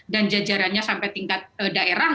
dan jajarannya sampai tingkat daerah